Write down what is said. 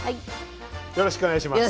よろしくお願いします。